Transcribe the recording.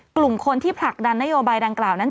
กลุ่มคนที่ผลักดันนโยบายดังกล่าวนั้น